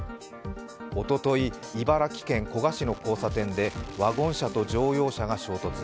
おととい、茨城県古河市の交差点でワゴン車と乗用車が衝突。